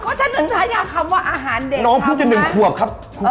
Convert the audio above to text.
ก็ฉันถือภาษาคำว่าอาหารเด็กครับนะน้องเพิ่งจะ๑ขวบครับ